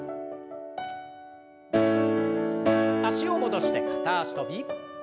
脚を戻して片脚跳び。